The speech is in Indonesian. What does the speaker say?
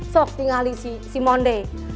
sok tinggalin si mondi